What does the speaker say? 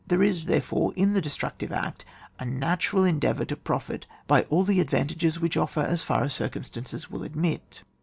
There is, therefore, in the des tructive act a natural endeavour to profit by all the advantages which offer as far as circumstances will admit.